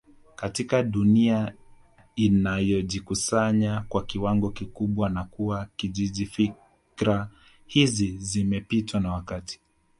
katika dunia inayojikusanya kwa kiwango kikubwa na kuwa kijiji fikra hizi zimepitwa na wakati